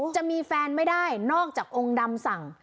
จะมีแฟนไม่ได้นอกจากองค์ดำสั่ง